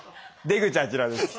出口あちらです。